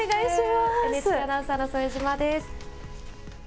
ＮＨＫアナウンサーの副島です。